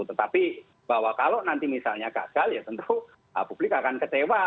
tetapi bahwa kalau nanti misalnya gagal ya tentu publik akan kecewa